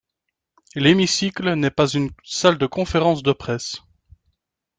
L’hémicycle n’est pas une salle de conférences de presse.